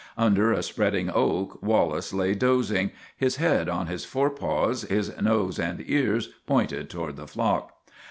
Under a spreading oak Wallace lay dozing, his head on his forepaws, his nose and ears pointed toward the flock.